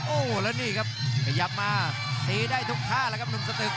โอ้โหแล้วนี่ครับขยับมาตีได้ทุกท่าแล้วครับหนุ่มสตึก